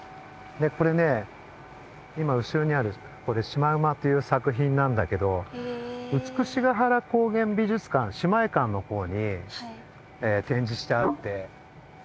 これね今後ろにある「しまうま」っていう作品なんだけど美ヶ原高原美術館姉妹館のほうに展示してあって。